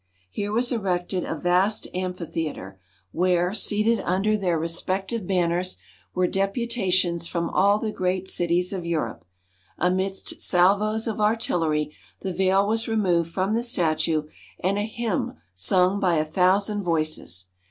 Here was erected a vast amphitheatre, where, seated under their respective banners, were deputations from all the great cities of Europe. Amidst salvos of artillery the veil was removed from the statue, and a hymn sung by a thousand voices.